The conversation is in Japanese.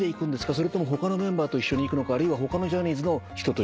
それとも他のメンバーと一緒に行くのかあるいは他のジャニーズの人と一緒に行くのか。